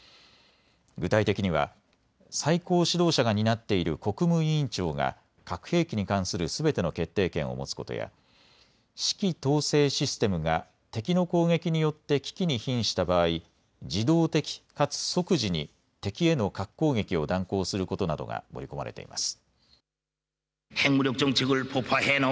具体的には最高指導者が担っている国務委員長が核兵器に関するすべての決定権を持つことや指揮統制システムが敵の攻撃によって危機にひんした場合、自動的かつ即時に敵への核攻撃を断行することなどが盛り込まれています。